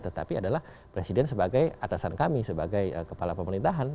tetapi adalah presiden sebagai atasan kami sebagai kepala pemerintahan